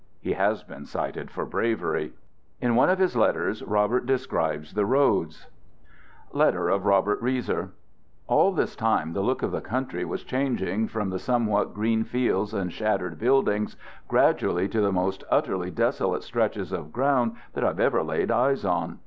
(He has been cited for bravery.) In one of his letters Robert describes the roads: ... All this time the look of the country was changing, from the somewhat green fields and shat tered buildings, gradually to the most utterly deso late stretches of ground that I have ever laid eyes on.